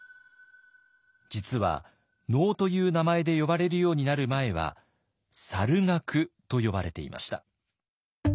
実は能という名前で呼ばれるようになる前は猿楽と呼ばれていました。